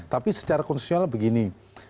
tapi secara konsesional begini